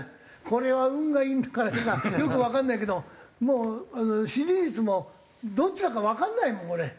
これは運がいいんだか悪いんだかよくわかんないけどもう支持率もどっちだかわかんないもんこれ。